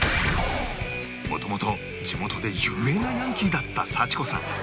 もともと地元で有名なヤンキーだった沙千子さん